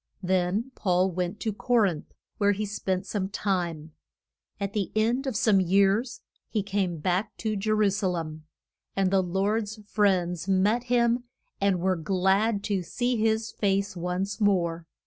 Then Paul went to Co rinth, where he spent some time. At the end of some years he came back to Je ru sa lem. And the Lord's friends met him, and were glad to see his face once more.